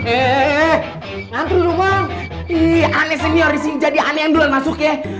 eh antri rumah ini aneh senior jadi aneh yang dulu masuk ya